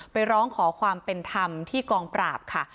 ไปร้องขอความเป็นธรรมที่กองปราบค่ะ